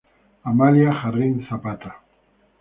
Amalia Jarrín Zapata.